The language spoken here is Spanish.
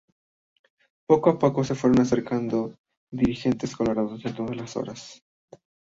Poco a poco se fueron acercando dirigentes colorados de todas las horas.